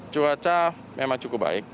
cuaca memang cukup baik